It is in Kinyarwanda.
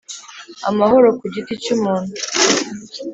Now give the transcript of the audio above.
amahoro ku giti cy’umuntu